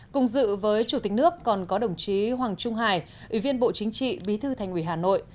cùng dự với chủ tịch nước còn có đồng chí hoàng trung hải ủy viên bộ chính trị bí thư thành ủy hà nội